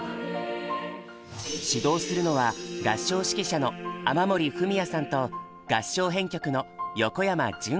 指導するのは合唱指揮者の雨森文也さんと合唱編曲の横山潤子さん。